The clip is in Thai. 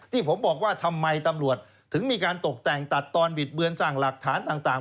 ที่ผมบอกว่าทำไมตำรวจถึงมีการตกแต่งตัดตอนบิดเบือนสร้างหลักฐานต่าง